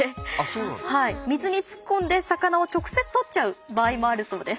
水に突っ込んで魚を直接取っちゃう場合もあるそうです。